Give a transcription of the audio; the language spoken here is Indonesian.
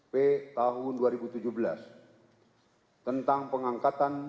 pertama pertama pertama